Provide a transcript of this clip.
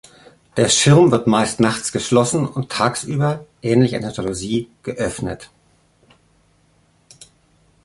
Der Schirm wird meist nachts geschlossen und tagsüber ähnlich einer Jalousie geöffnet.